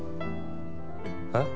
えっ？